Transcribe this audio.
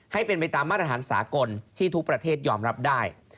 ให้เป็นไปตามมาตรฐานสากลที่ทุกประเทศยอมรับได้